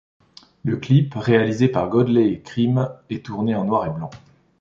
Le clip, réalisé par Godley & Creme, est tourné en noir et blanc.